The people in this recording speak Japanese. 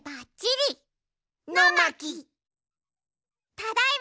ただいま！